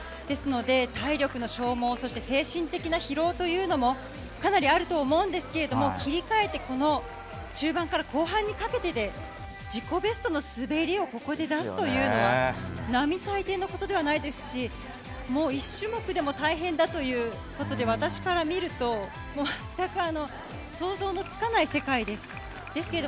ですので、体力の消耗そして精神的な疲労というのもかなりあると思いますけど切り替えて、この中盤から後半にかけて自己ベストの滑りをここで出すというのは並大抵のことではないですし１種目でも大変だということで私から見ると全く想像もつかない世界です。